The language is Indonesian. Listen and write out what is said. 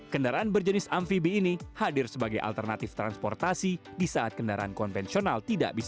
kendaraan berjenis amfibi ini hadir sebagai alternatif transportasi di saat kendaraan konvensional tidak bisa